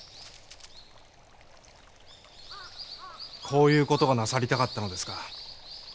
こういう事がなさりたかったのですか。